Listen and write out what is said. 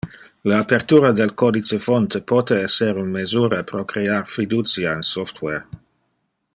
Le apertura del codification fonte pote ser un mesura pro crear fiducia in software.